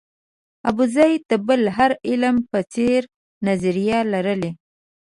ابوزید د بل هر عالم په څېر نظریې لرلې.